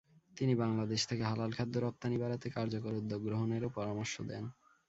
তিনি বাংলাদেশ থেকে হালাল খাদ্য রপ্তানি বাড়াতে কার্যকর উদ্যোগ গ্রহণেরও পরামর্শ দেন।